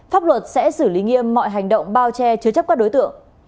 pháp luật sẽ xử lý nghiêm mọi hành động bao che chứa chấp các đối tượng